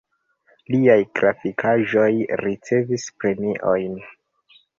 Liaj grafikaĵoj ricevis premiojn.